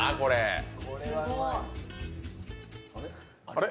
あれ？